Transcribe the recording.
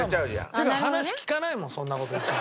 っていうか話聞かないもんそんな事いちいち。